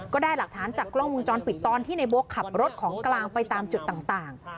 ก็ได้หลักฐานจากกล้องวงจรปิดตอนที่ในโบ๊คขับรถของกลางไปตามจุดต่าง